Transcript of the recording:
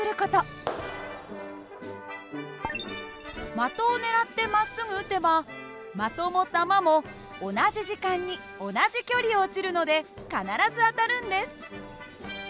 的を狙ってまっすぐ撃てば的も球も同じ時間に同じ距離落ちるので必ず当たるんです。